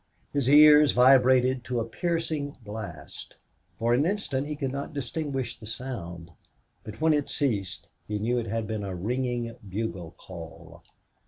His ears vibrated to a piercing blast. For an instant he could not distinguish the sound. But when it ceased he knew it had been a ringing bugle call.